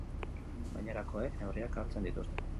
Gainerakoek neurriak hartzen dituzte.